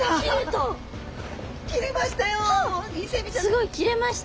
すごい。切れました！